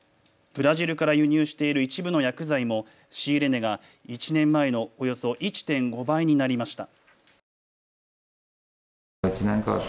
ブラジルから輸入している一部の薬剤も仕入れ値が１年前のおよそ１．５倍になりました。